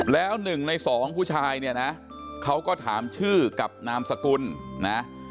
แล้วหนึ่งในสองผู้ชายเนี่ยนะเขาก็ถามชื่อกับนามสกุลนะ